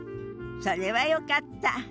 それはよかった。